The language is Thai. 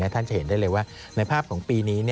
ท่านจะเห็นได้เลยว่าในภาพของปีนี้